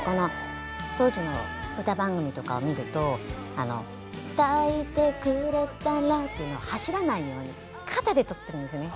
当時の歌番組とかを見ると「抱いてくれたら」っていうのを走らないように肩でとってるんですよね。